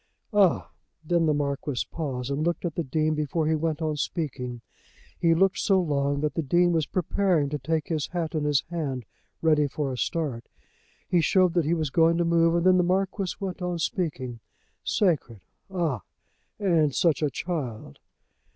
"Ah!" Then the Marquis paused and looked at the Dean before he went on speaking. He looked so long that the Dean was preparing to take his hat in his hand ready for a start. He showed that he was going to move, and then the Marquis went on speaking. "Sacred! Ah! and such a child!"